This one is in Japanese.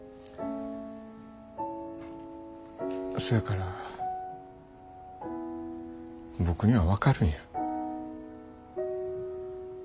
そやから僕には分かるんや。